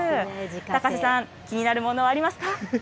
高瀬さん、気になるものはありま